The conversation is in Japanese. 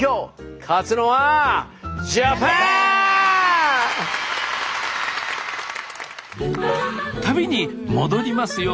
勝つのは旅に戻りますよ。